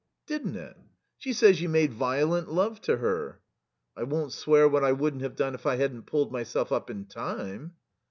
"Didn't it? She says you made violent love to her." "I won't swear what I wouldn't have done if I hadn't pulled myself up in time."